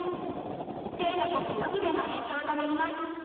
生徒たちのみでの演奏となります。